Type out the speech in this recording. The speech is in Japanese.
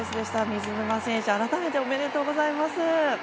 水沼選手、改めておめでとうございます。